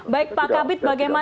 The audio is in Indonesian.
baik pak kabit bagaimana